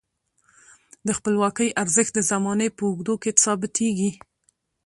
د خپلواکۍ ارزښت د زمانې په اوږدو کې ثابتیږي.